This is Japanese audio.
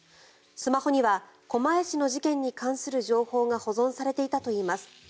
スマホには狛江市の事件に関する情報が保存されていたといいます。